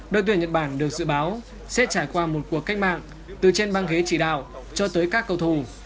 đội tuyển nhật bản được dự báo sẽ trải qua một cuộc cách mạng từ trên băng ghế chỉ đạo cho tới các cầu thủ